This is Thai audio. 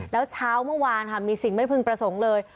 แล้วเช้าเมื่อวานค่ะมีสิ่งไม่พึงประสงค์เลย